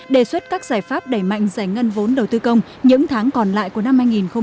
đề xuất các giải pháp đẩy mạnh giải ngân vốn đầu tư công những tháng còn lại của năm hai nghìn hai mươi